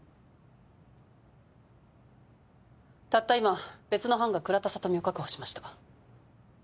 たった今別の班が倉田聡美を確保しました。